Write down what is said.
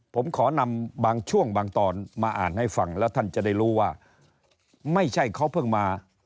ผมขอนำบางช่วงบางตอนมาอ่านให้ฟังแล้วท่านจะได้รู้ว่าไม่ใช่เขาเพิ่งมา